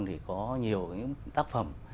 thì có nhiều tác phẩm